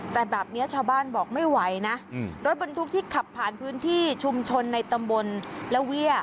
แต่แบบนี้ชาวบ้านบอกไม่ไหวนะรถบรรทุกที่ขับผ่านพื้นที่ชุมชนในตำบลละเวี่ย